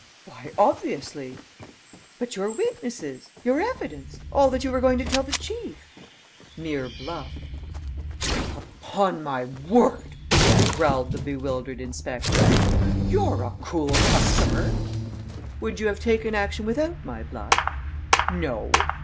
"Why, obviously!" "But your witnesses? Your evidence? All that you were going to tell the chief?" "Mere bluff." "Well, upon my word," growled the bewildered inspector, "you're a cool customer!" "Would you have taken action without my bluff?" "No."